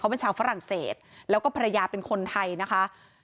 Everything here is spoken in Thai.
เป็นชาวฝรั่งเศสแล้วก็ภรรยาเป็นคนไทยนะคะ